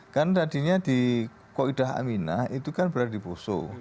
kan tadinya di koidah aminah itu kan berada di poso